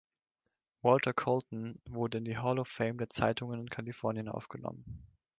Walter Colton wurde in die Hall of Fame der Zeitungen in Kalifornien aufgenommen.